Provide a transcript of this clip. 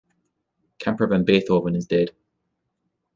Camper Van Beethoven Is Dead.